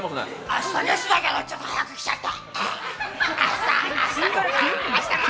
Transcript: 明日ゲストだからちょっと早く来ちゃった！